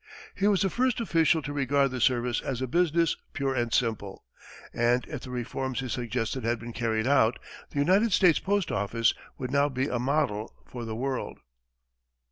He was the first official to regard the service as a business pure and simple, and if the reforms he suggested had been carried out, the United States postoffice would now be a model for the world.